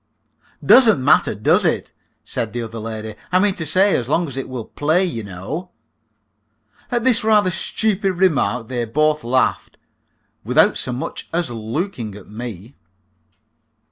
"Doesn't matter, does it?" said the other lady. "I mean to say, as long as it will play, you know." At this rather stupid remark they both laughed, without so much as looking at me.